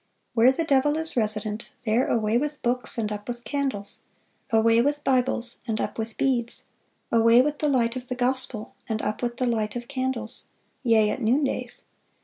Where the devil is resident, ... there away with books, and up with candles; away with Bibles, and up with beads; away with the light of the gospel, and up with the light of candles, yea, at noondays